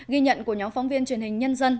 ghi nhận của nhóm phóng viên truyền hình nhân dân